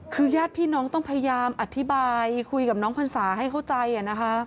คือญาติพี่น้องต้องพยายามอธิบายคุยกับน้องพรรษาให้เข้าใจนะคะ